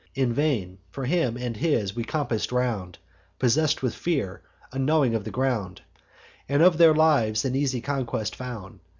In vain; for him and his we compass'd round, Possess'd with fear, unknowing of the ground, And of their lives an easy conquest found.